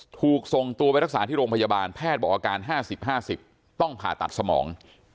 ถูกส่งตัวไปรักษาที่โรงพยาบาลแพทย์บอกอาการ๕๐๕๐ต้องผ่าตัดสมอง